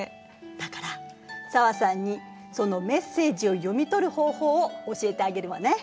だから紗和さんにそのメッセージを読み取る方法を教えてあげるわね。